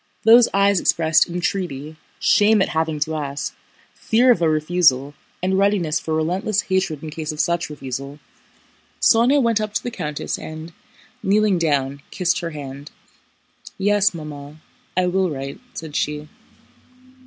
Those eyes expressed entreaty, shame at having to ask, fear of a refusal, and readiness for relentless hatred in case of such refusal. Sónya went up to the countess and, kneeling down, kissed her hand. "Yes, Mamma, I will write," said she.